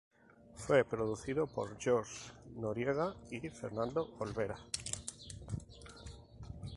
Fue producido por George Noriega y Fernando Olvera.